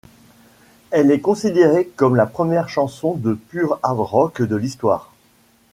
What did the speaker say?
Elle est considérée comme la première chanson de pure Hard Rock de l'histoire.